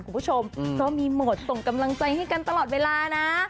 คุณผู้ชมเพราะมีโหมดส่งกำลังใจให้กันตลอดเวลานะ